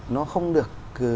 nó không được